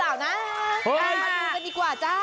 เอามาดูกันดีกว่าจ้า